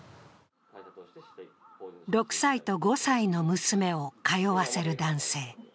６歳と５歳の娘を通わせる男性。